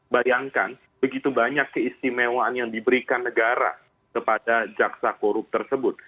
bayangkan begitu banyak keistimewaan yang diberikan negara kepada jaksa korup tersebut